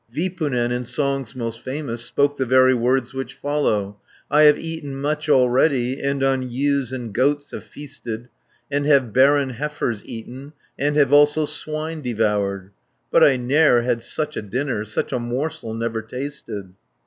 Vipunen, in songs most famous, Spoke the very words which follow: "I have eaten much already, And on ewes and goats have feasted, And have barren heifers eaten, And have also swine devoured, 110 But I ne'er had such a dinner, Such a morsel never tasted."